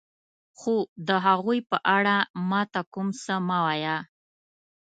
خو د هغوی په اړه ما ته کوم څه مه وایه.